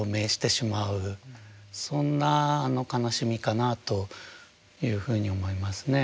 そんな悲しみかなというふうに思いますね。